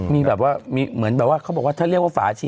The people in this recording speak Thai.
มีแบบว่าเขาบอกว่าอย่างฝาชี